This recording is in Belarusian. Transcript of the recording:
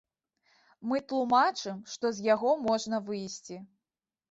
Мы тлумачым, што з яго можна выйсці.